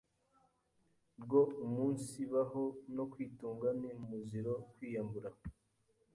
bwo umunsibaho no kwitunga. Ni umuziro kwiyambura